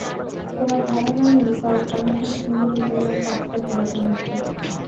তোমার ধারণাও নেই তার এপয়েন্টমেন্ট নিতে কী পরিমাণ কাঠখড় পোড়াতে হয়েছে!